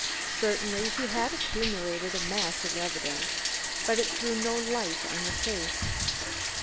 Certainly he had accumulated a mass of evidence, but it threw no light on the case.